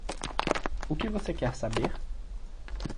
O que você quer saber?